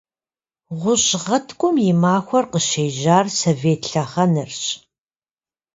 Гъущӏ гъэткӏум и махуэр къыщежьар совет лъэхъэнэрщ.